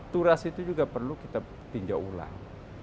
turas itu juga perlu kita tinjau ulang